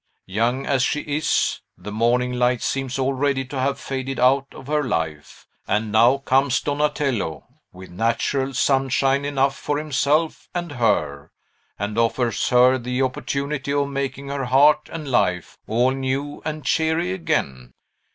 Young as she is, the morning light seems already to have faded out of her life; and now comes Donatello, with natural sunshine enough for himself and her, and offers her the opportunity of making her heart and life all new and cheery again.